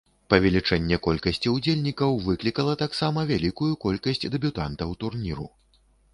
Павелічэнне колькасці ўдзельнікаў выклікала таксама вялікую колькасць дэбютантаў турніру.